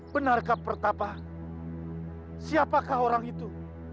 benarkah pertama siapakah orang itu